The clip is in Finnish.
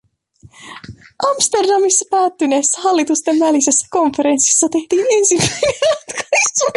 Amsterdamissa päättyneessä hallitusten välisessä konferenssissa tehtiin ensimmäinen ratkaisu.